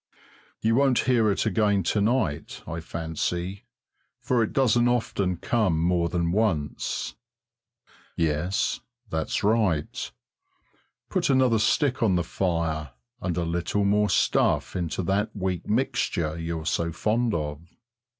You won't hear it again to night, I fancy, for it doesn't often come more than once. Yes that's right. Put another stick on the fire, and a little more stuff into that weak mixture you're so fond of.